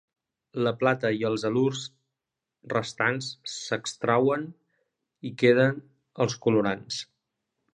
La plata i els halurs restants s'extrauen i queden els colorants.